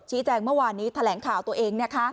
ชี้แจงเมื่อวานี้แถลงข่าวตัวเอง